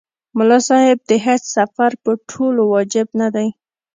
ملا صاحب د حج سفر په ټولو واجب نه دی.